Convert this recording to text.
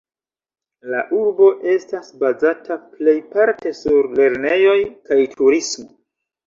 La urbo estas bazata plejparte sur lernejoj kaj turismo.